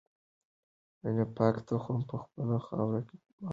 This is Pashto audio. د نفاق تخم په خپله خاوره کې مه کرئ.